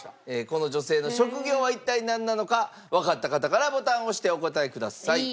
この女性の職業は一体なんなのかわかった方からボタンを押してお答えください。